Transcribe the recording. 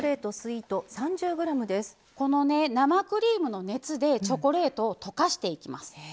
この生クリームの熱でチョコレートを溶かしていきます。